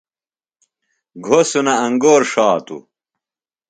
گھوسنہ انگور ݜاتوۡ۔